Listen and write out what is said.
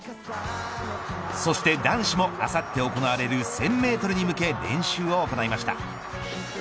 そして男子もあさって行われる１０００メートルに向け練習を行いました。